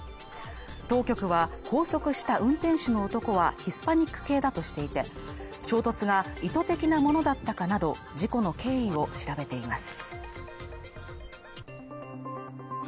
当局は拘束した運転手の男は、ヒスパニック系だとしていて、衝突が意図的なものだったかなど事故の経緯を調べています。